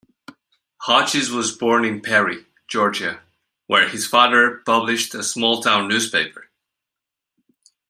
Hodges was born in Perry, Georgia where his father published a small-town newspaper.